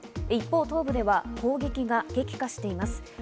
一方、東部では攻撃が激化しています。